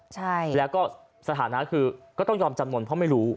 ใช่แล้วก็สถานะคือก็ต้องยอมจำนวนเพราะไม่รู้